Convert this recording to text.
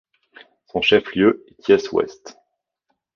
Son chef-lieu est Thiès Ouest.